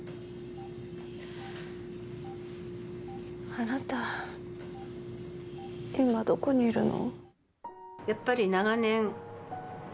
あなた、今どこにいるの？